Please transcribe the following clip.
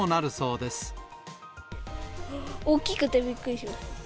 大きくてびっくりしました。